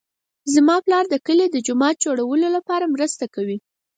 زما پلار د کلي د جومات د جوړولو لپاره مرسته کوي